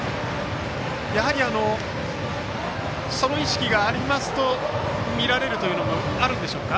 やはり、その意識があると見られることがあるんでしょうか。